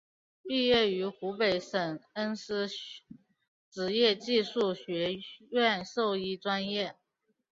毕业于湖北省恩施职业技术学院兽医专业。